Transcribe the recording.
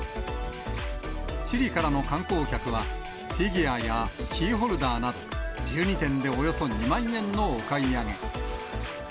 チリからの観光客は、フィギュアやキーホルダーなど、１２点でおよそ２万円のお買い上げ。